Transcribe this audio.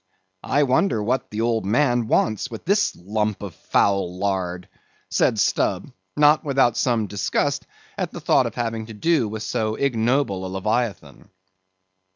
"I wonder what the old man wants with this lump of foul lard," said Stubb, not without some disgust at the thought of having to do with so ignoble a leviathan.